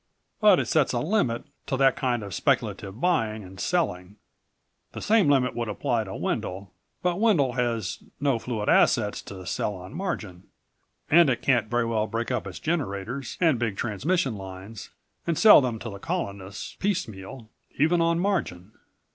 But it sets a limit to that kind of speculative buying and selling. The same limit would apply to Wendel, but Wendel has no fluid assets to sell on margin, and it can't very well break up its generators and big transmission lines and sell them to the Colonists piecemeal, even on margin.